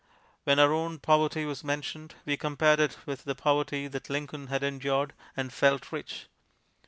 When our own poverty was mentioned, we compared it with the poverty that Lincoln had endured, and felt rich.